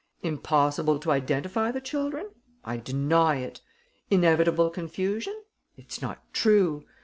Impossible to identify the children? I deny it. Inevitable confusion? It's not true.